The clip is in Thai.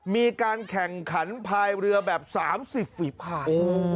มีการแข่งขันภายเรือแบบ๓๐ฝีพาย